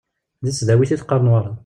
Di tesdawit i teqqar Newwara.